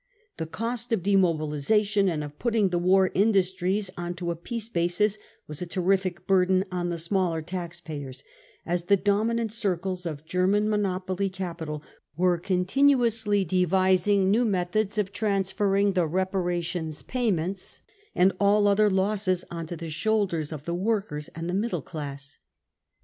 The cost of demobilisation and of putting the war industries on to a peace basis was a terrific burden on the smaller taxpayers, as the dominant circles of German monopoly capifal were continuously devising new methods of transferring the re parations payments and all other losses on to the shoulders of the workers and the middle class.